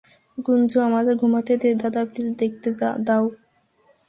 গুঞ্জু, আমাকে ঘুমাতে দে -দাদা, প্লিজ দেখতে দাও।